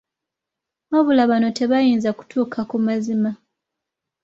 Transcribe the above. Wabula bano tebayinza kutuuka ku mazima.